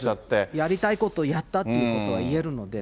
やりたいことをやったということは言えるのでね。